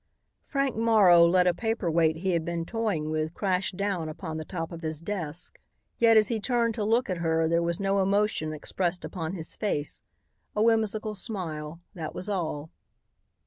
Frank Morrow let a paperweight he had been toying with crash down upon the top of his desk, yet as he turned to look at her there was no emotion expressed upon his face, a whimsical smile, that was all.